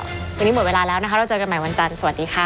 วันนี้หมดเวลาแล้วนะคะเราเจอกันใหม่วันจันทร์สวัสดีค่ะ